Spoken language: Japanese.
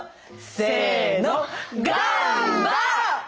せの。